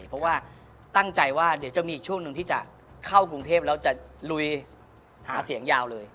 เพราะว่าตั้งใจว่าเดี๋ยวจะมีอีกช่วงหนึ่งที่จะเข้ากรุงเทพแล้วจะลุยหาเสียงยาวเลย